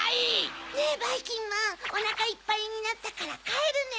ねぇばいきんまんおなかいっぱいになったからかえるね。